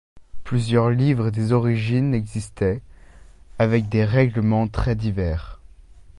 Plusieurs livres des origines existaient, avec des règlements très divers.